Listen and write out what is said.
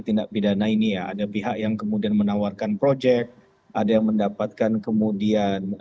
tindak pidana ini ya ada pihak yang kemudian menawarkan project ada yang mendapatkan kemudian